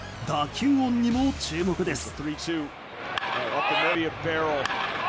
球音にも注目です。